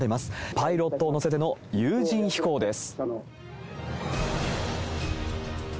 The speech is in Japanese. パイロットを乗せての有人飛行です。